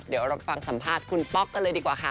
เดี๋ยวเราไปฟังสัมภาษณ์คุณป๊อกกันเลยดีกว่าค่ะ